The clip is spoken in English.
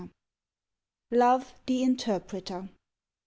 LOVE, THE INTERPRETER.